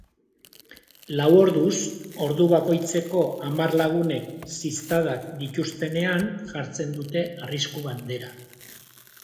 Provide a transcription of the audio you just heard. Lau orduz, ordu bakoitzeko hamar lagunek ziztadak dituztenean jartzen dute arrisku bandera.